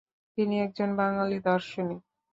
তিনি একজন বাঙালি দার্শনিক।